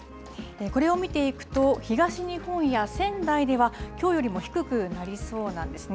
これを見ていくと、東日本や仙台では、きょうよりも低くなりそうなんですね。